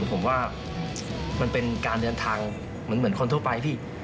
ผมว่ามันเป็นการเดินทางเหมือนคนทั่วไปพี่